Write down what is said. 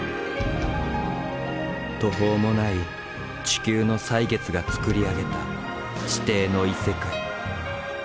途方もない地球の歳月がつくり上げた地底の異世界。